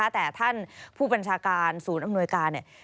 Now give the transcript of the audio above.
แต่ท่านผู้บัญชาการศูนย์อำนวยการเนี่ย